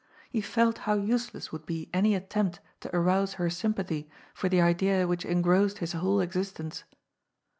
He felt how useless would be any attempt to arouse her sympathy for the idea which engrossed his whole existence.